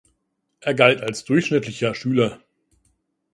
Er galt als durchschnittlicher Schüler.